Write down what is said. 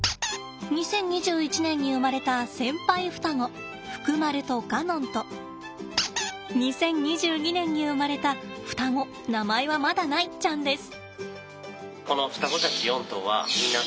２０２１年に生まれた先輩双子フクマルとカノンと２０２２年に生まれた双子名前はまだないちゃんです。